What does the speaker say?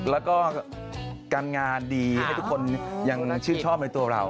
แล้วก็การงานดีให้ทุกคนยังชื่นชอบในตัวเรา